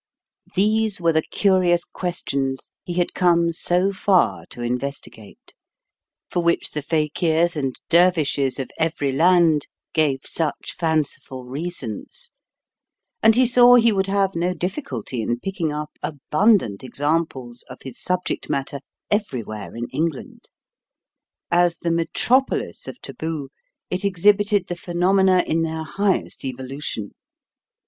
These were the curious questions he had come so far to investigate, for which the fakirs and dervishes of every land gave such fanciful reasons: and he saw he would have no difficulty in picking up abundant examples of his subject matter everywhere in England. As the metropolis of taboo, it exhibited the phenomena in their highest evolution.